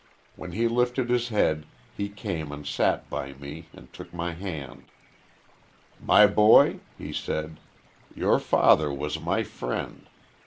When he lifted his head he came and sat by me and took my hand. 'My boy,' he said, 'your father was my friend.